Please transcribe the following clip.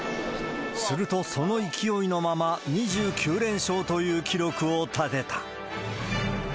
すると、その勢いのまま２９連勝という記録を立てた。